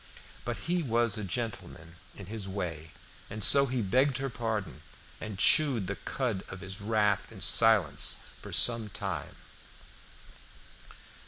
But he was a gentleman in his way, and so he begged her pardon, and chewed the cud of his wrath in silence for some time.